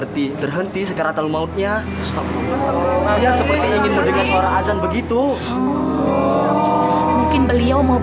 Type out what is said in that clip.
tidak ada kuasa dan upaya